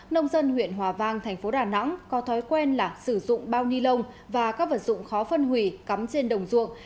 nông dân huyện hòa vang thành phố đà nẵng có thói quen là sử dụng bao ni lông và các vật dụng khó phân hủy cắm trên đồng ruộng